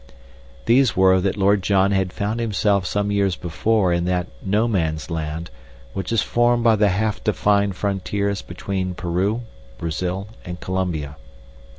These were that Lord John had found himself some years before in that no man's land which is formed by the half defined frontiers between Peru, Brazil, and Columbia.